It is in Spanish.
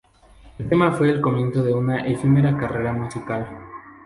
El tema fue el comienzo de una efímera carrera musical.